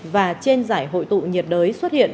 và trên giải hội tụ nhiệt đới xuất hiện